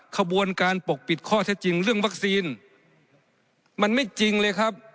ขบวนการปกปิดข้อเท็จจริงเรื่องวัคซีนมันไม่จริงเลยครับ